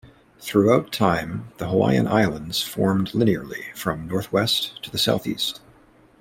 Throughout time, the Hawaiian Islands formed linearly from northwest to the southeast.